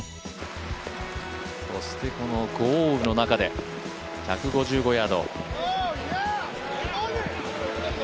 そして、この豪雨の中で、１５５ヤード。